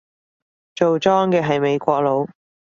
做莊嘅係美國佬